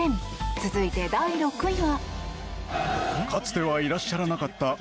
続いて、第６位は。